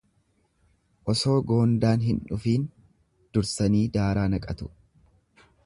Osoo goondaan hin dhufiin dursanii daaraa naqatu.